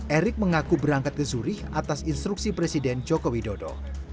erick mengaku berangkat ke zuri atas instruksi presiden joko widodo